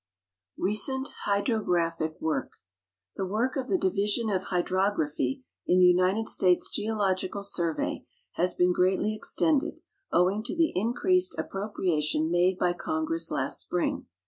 RECENT HYDROGRAPHIC WORK The work of the Division of Hydrography in the United States Geological Survey has been greatly extended, owing to the in creased appropriation made by Congress last spring.